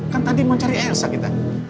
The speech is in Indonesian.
kan tadi mau cari elsa kita